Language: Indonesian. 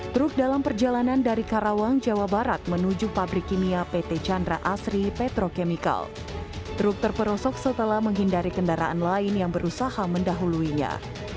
truk terperosok setelah menghindari kendaraan lain yang berusaha mendahulunya